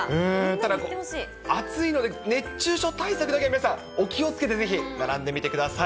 ただ、暑いので熱中症対策だけは皆さん、お気をつけて、ぜひ並んでみてください。